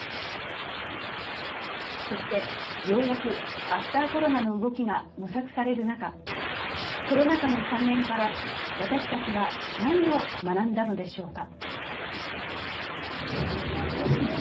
そして、ようやくアフター・コロナの動きが模索される中、コロナ禍の３年から私たちは何を学んだのでしょうか。